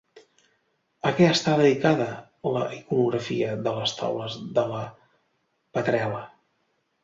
A què està dedicada la iconografia de les taules de la predel·la?